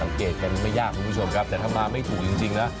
เกดกันไม่ยากคุณผู้ชมครับแต่ถ้ามาไม่ถูกจริงนะ